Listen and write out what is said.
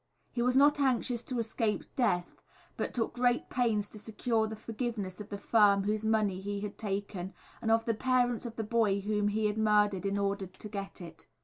He was not anxious to escape death, but took great pains to secure the forgiveness of the firm whose money he had taken, and of the parents of the boy whom he had murdered in order to get it.